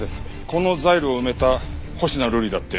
このザイルを埋めた星名瑠璃だって。